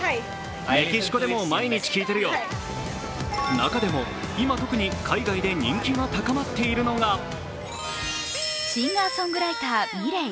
中でも今、特に海外で人気が高まっているのがシンガーソングライター、ｍｉｌｅｔ。